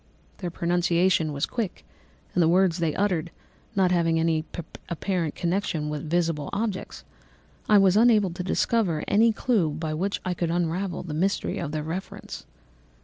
Their pronunciation was quick, and the words they uttered, not having any apparent connection with visible objects, I was unable to discover any clue by which I could unravel the mystery of their reference.